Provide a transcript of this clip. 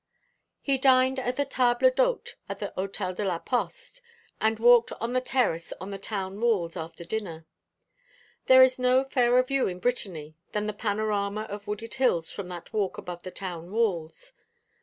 He dined at the table d'hôte at the Hôtel de la Poste, and walked on the terrace on the town walls after dinner. There is no fairer view in Brittany than the panorama of wooded hills from that walk above the town walls.